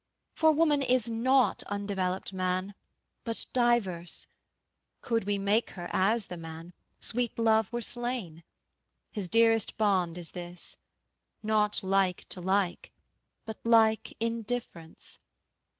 For woman is not undevelopt man, But diverse: could we make her as the man, Sweet Love were slain: his dearest bond is this, Not like to like, but like in difference.